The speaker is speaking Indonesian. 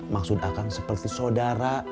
maksud akang seperti saudara